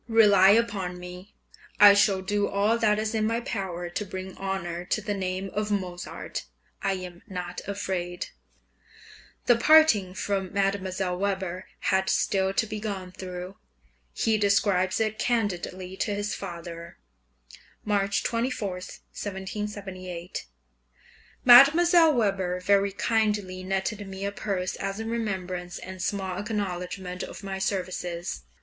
Rely upon me, I shall do all that is in my power to bring honour to the name of Mozart; I am not afraid. The parting from Mdlle. Weber had still to be gone through; he describes it candidly to his father (March 24, 1778) Mdlle. Weber very kindly netted me a purse as a remembrance and small acknowledgment of my services.